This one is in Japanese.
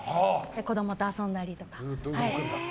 子供と遊んだりとか。